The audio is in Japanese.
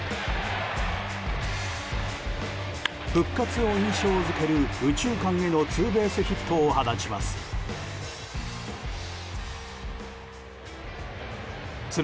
復活を印象付ける右中間へのツーベースヒットを放ちます。